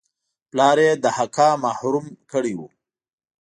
پلار یې له حقه محروم کړی وو.